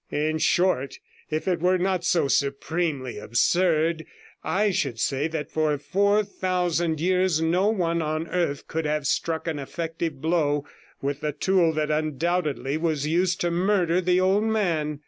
In short, if it were not so supremely absurd, I should say that for four thousand years no one on earth could have struck an effective blow with the tool that undoubtedly was used to murder the old man.'